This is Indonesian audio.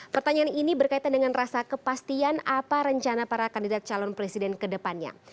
pertanyaan ini berkaitan dengan rasa kepastian apa rencana para kandidat calon presiden ke depannya